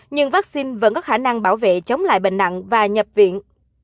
nhưng vaccine vẫn có khả năng bảo vệ chống lại bệnh nặng và nhập viện